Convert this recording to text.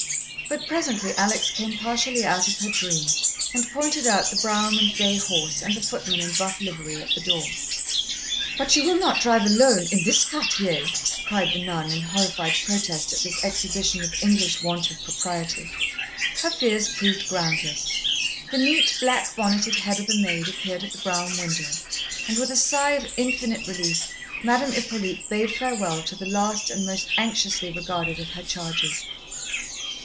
But presently Alex came partially out of her dream and pointed out the brougham and bay horse and the footman in buff livery at the door. "But you will not drive alone in this quartier?" cried the nun, in horrified protest at this exhibition of English want of propriety. Her fears proved groundless. The neat, black bonneted head of a maid appeared at the brougham window, and with a sigh of infinite relief Madame Hippolyte bade farewell to the last and most anxiously regarded of her charges.